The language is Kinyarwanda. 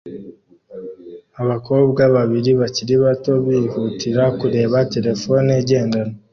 Abakobwa babiri bakiri bato bihutira kureba terefone igendanwa